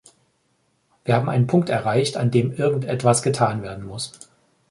Wir haben einen Punkt erreicht, an dem irgend etwas getan werden muss.